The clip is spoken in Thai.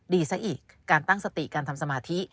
ซะอีกการตั้งสติการทำสมาธิ